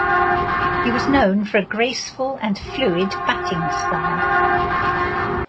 He was known for a graceful and fluid batting style.